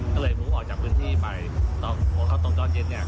ก็เลยพูดออกจากพื้นที่ไปพวกเขาต้องจ้อนเย็น